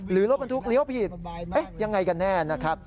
หรือรถมันทุกข์เลี้ยวผิดยังไงกันแน่